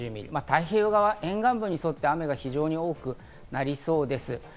太平洋側沿岸部に沿って雨が非常に多くなりそうです。